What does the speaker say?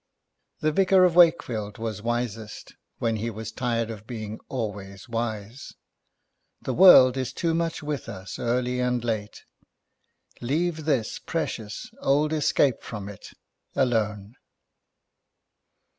The Vicar of Wakefield was wisest when he was tired of being always wise. The world is too much with us, early and late. Leave this precious old escape from it, alone.